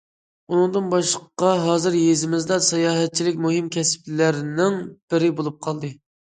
ئۇنىڭدىن باشقا ھازىر يېزىمىزدا ساياھەتچىلىك مۇھىم كەسىپلەرنىڭ بىرى بولۇپ قالدى.